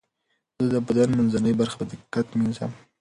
زه د بدن منځنۍ برخه په دقت مینځم.